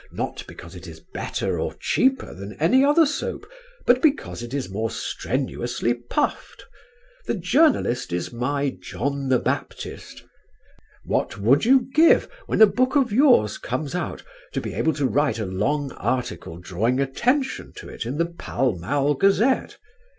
Not because it is better or cheaper than any other soap, but because it is more strenuously puffed. The journalist is my 'John the Baptist.' What would you give, when a book of yours comes out, to be able to write a long article drawing attention to it in The Pall Mall Gazette?